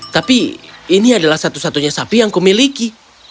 tapi ini adalah satu satunya sapi yang kumiliki